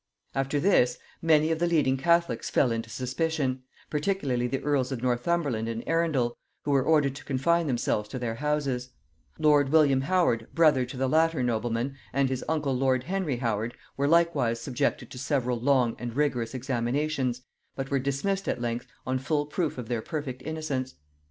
After this many of the leading catholics fell into suspicion, particularly the earls of Northumberland and Arundel, who were ordered to confine themselves to their houses; lord William Howard, brother to the latter nobleman, and his uncle lord Henry Howard, were likewise subjected to several long and rigorous examinations, but were dismissed at length on full proof of their perfect innocence.